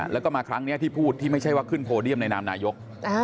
แล้วก็มาครั้งนี้ที่พูดที่ไม่ใช่ว่าขึ้นโพเดียมในนามนายก